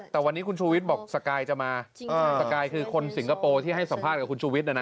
แต่วันนี้คุณชูวิทย์บอกสกายจะมาสกายคือคนสิงคโปร์ที่ให้สัมภาษณ์กับคุณชูวิทย์